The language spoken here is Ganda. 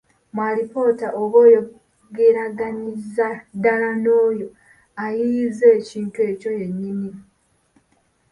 Mu alipoota oba oyogeraganyiza ddala n’oyo ayiiyizza ekintu ekyo yennyini.